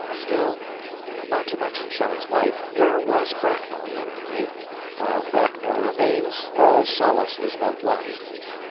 Still, not to mention Shelley's wife, there was Bracknell, at any rate. While Bracknell remains, all solace is not lost.